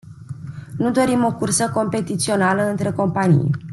Nu dorim o cursă competițională între companii.